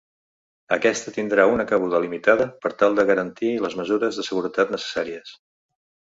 Aquesta tindrà una cabuda limitada per tal de garantir les mesures de seguretat necessàries.